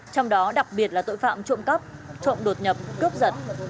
trong đó đặc biệt là tội phạm trộm cắp trộm đột nhập cướp giật